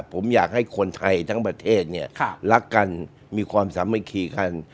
ผมอยากให้คนไทยทั้งประเทศเนี่ยรักกันมีความสามัคคีกัน